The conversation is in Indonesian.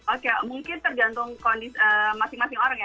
oke mungkin tergantung kondisi masing masing orang ya